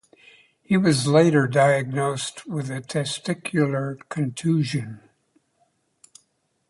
He was later diagnosed with a testicular contusion.